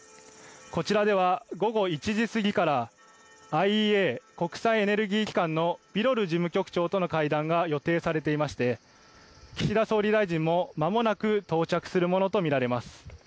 こちらでは午後１時過ぎからＩＥＡ・国際エネルギー機関のビロル事務局長との会談が予定されていまして、岸田総理大臣もまもなく到着するものと見られます。